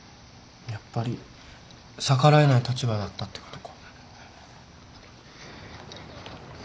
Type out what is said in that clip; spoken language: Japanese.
やっぱり逆らえない立場だったってことか。